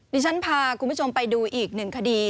ดิฉันพาคุณผู้ชมไปดูอีกหนึ่งคดี